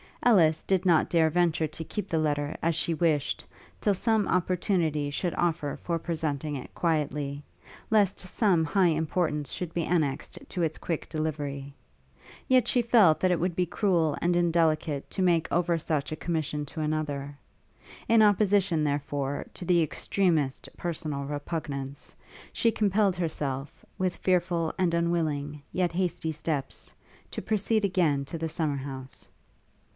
Ellis did not dare venture to keep the letter, as she wished, till some opportunity should offer for presenting it quietly, lest some high importance should be annexed to its quick delivery; yet she felt that it would be cruel and indelicate to make over such a commission to another; in opposition, therefore, to the extremest personal repugnance, she compelled herself, with fearful and unwilling, yet hasty steps, to proceed again to the summer house.